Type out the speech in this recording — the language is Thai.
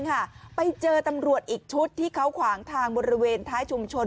ค่ะไปเจอตำรวจอีกชุดที่เขาขวางทางบริเวณท้ายชุมชน